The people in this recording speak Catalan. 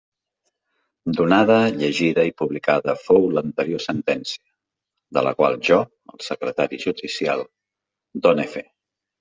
Donada, llegida i publicada fou l'anterior sentència, de la qual jo, el secretari judicial, done fe.